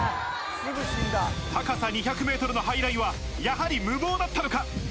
高さ２００ｍのハイラインはやはり無謀だったのか？